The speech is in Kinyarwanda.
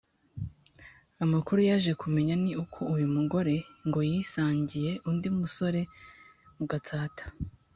amakuru yaje kumenya ni uko uyu mugore ngo yisangiye undi musore mu gatsata